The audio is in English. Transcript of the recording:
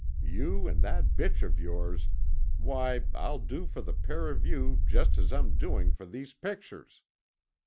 You and that bitch of yours, why, I'll do for the pair of you just as I'm doing for these pictures."